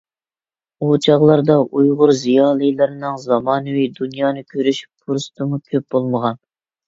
ئۇ چاغلاردا ئۇيغۇر زىيالىيلىرىنىڭ زامانىۋى دۇنيانى كۆرۈش پۇرسىتىمۇ كۆپ بولمىغان.